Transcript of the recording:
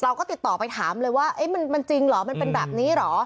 เราก็ติดต่อไปถามเลยว่ามันจริงเหรอมันเป็นแบบนี้เหรอ